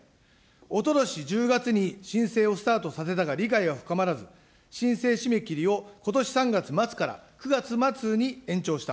おととし１０月に申請をスタートさせたが、理解は深まらず、申請締め切りを、ことし３月末から９月末に延長した。